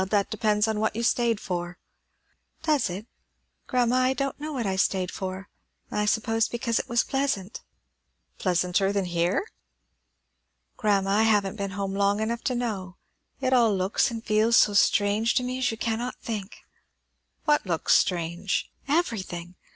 That depends on what you stayed for." "Does it? Grandma, I don't know what I stayed for. I suppose because it was pleasant." "Pleasanter than here?" "Grandma, I haven't been home long enough to know. It all looks and feels so strange to me as you cannot think!" "What looks strange?" "Everything!